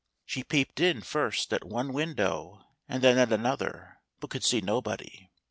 She peeped in first at one window and then at another, but could see nobody.